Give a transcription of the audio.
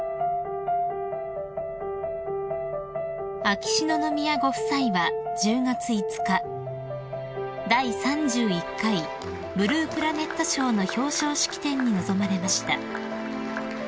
［秋篠宮ご夫妻は１０月５日第３１回ブループラネット賞の表彰式典に臨まれました］